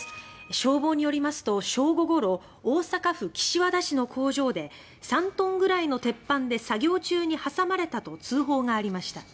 消防によりますと、正午ごろ大阪府岸和田市の工場で３トンぐらいの鉄板で作業中に挟まれたと通報がありました。